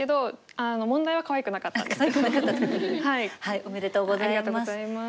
ありがとうございます。